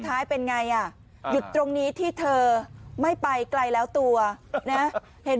ท้ายเป็นไงอ่ะหยุดตรงนี้ที่เธอไม่ไปไกลแล้วตัวนะเห็น